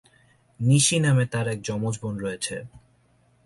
নিশি নামে তার এক যমজ বোন রয়েছে।